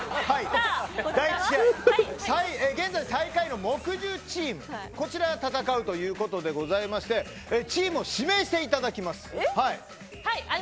現在、最下位の木１０チームこちらが戦うということでございましてチームを指名していただきます。